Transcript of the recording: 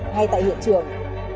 ngay tại hiện trường